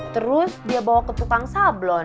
terus dia bawa ke tukang sablon